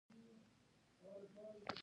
جګړه د ژوند پر ضد یو پاڅون دی